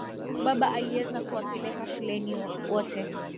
Baba aliweza kuwapeleka shuleni wote.